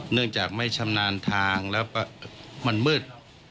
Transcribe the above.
เนื่องจากไม่ชำนาญทางแล้วมันมืด